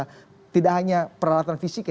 jadi ini juga tidak hanya peralatan fisik ya